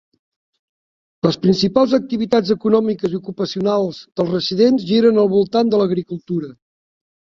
Les principals activitats econòmiques i ocupacionals dels residents giren al voltant de l'agricultura.